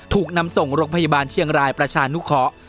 ถูกนำส่งโรงพยาบาลเชียงรายประชานุเคาะ